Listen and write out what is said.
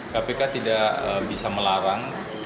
kpk tidak bisa melarang